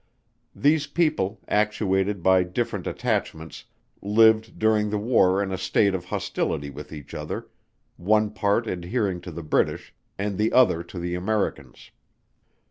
These people, actuated by different attachments, lived during the war in a state of hostility with each other; one part adhering to the British, and the other to the Americans.